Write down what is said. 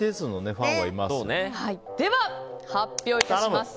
では発表します。